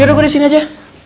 yaudah gue disini aja